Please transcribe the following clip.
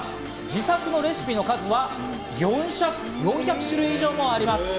自作のレシピの数は４００種類以上もあります。